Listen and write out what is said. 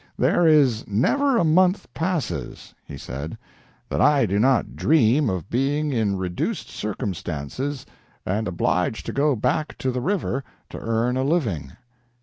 "There is never a month passes," he said, "that I do not dream of being in reduced circumstances and obliged to go back to the river to earn a living.